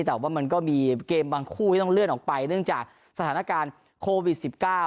แต่ว่ามันก็มีเกมบางคู่ที่ต้องเลื่อนออกไปเนื่องจากสถานการณ์โควิด๑๙